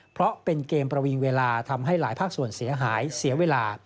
เพราะเป็นเกมประวิงเวลาทำให้หลายภาคส่วนเสียหายเสียเวลา